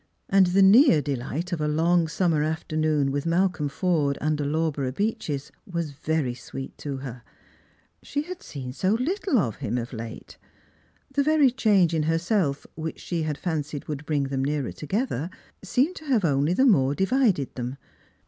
And the near delight of a long summer afternoon with Malcolm Forda imder Lawborough Beeches was very sweet to her. She had seen so httle of hmi of late. The very change in herself, which she had fancied would bring them nearer together, seemed to have only the more divided them.